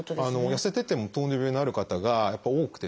痩せてても糖尿病になる方がやっぱ多くてですね